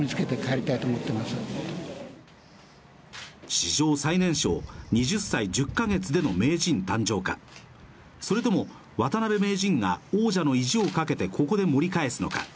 史上最年少２０歳１０か月での名人誕生か、それとも渡辺名人が王者の意地を掛けて、ここで盛り返すのか。